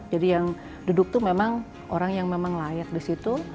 jadi yang duduk tuh memang orang yang memang layak di situ